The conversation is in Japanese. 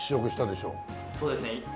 そうですね。